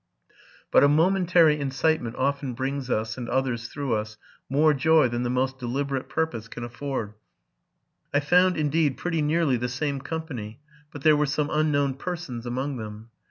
But a momentary incitement often brings us, and others through us, more joy than the most deliberate purpose can afford. aI found, indeed, pretty nearly the same company; but there were some un known persons among them.